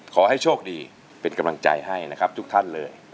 ขอให้โชคดีเป็นกำลังใจให้นะครับทุกท่านเลย